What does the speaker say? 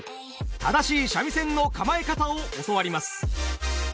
正しい三味線の構え方を教わります。